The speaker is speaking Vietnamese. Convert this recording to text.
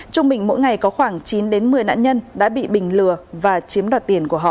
trung bình mỗi ngày có khoảng chín một mươi nạn nhân đã bị bình lừa và chiếm đoạt tiền của họ